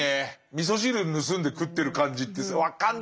みそ汁盗んで食ってる感じって分かるんだよ。